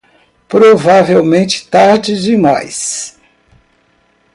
Provavelmente tarde demais